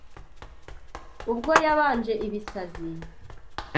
Ubwo yabanje ibisazi